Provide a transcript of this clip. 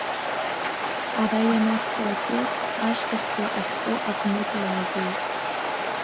Ара ианаҳҵо атекст ашьҭахьтәи ашәҟәы аҟнытә иаагоуп.